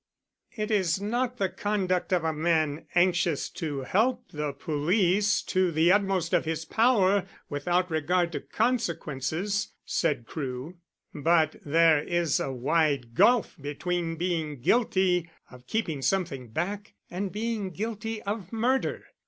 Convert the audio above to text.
"It is not the conduct of a man anxious to help the police to the utmost of his power without regard to consequences," said Crewe. "But there is a wide gulf between being guilty of keeping something back and being guilty of murder."